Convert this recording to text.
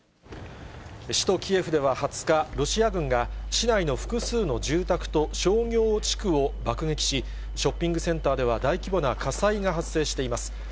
首都キエフでは２０日、ロシア軍が、市内の複数の住宅と商業地区を爆撃し、ショッピングセンターでは大規模な火災が発生しています。